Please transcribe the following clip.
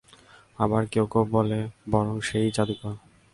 আবার কেউ কেউ বলে, বরং সে-ই জাদুকর।